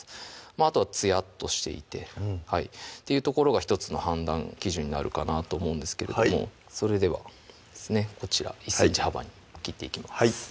あとはつやっとしていてっていうところが１つの判断基準になるかなと思うんですけれどもそれではですねこちら１ｃｍ幅に切っていきます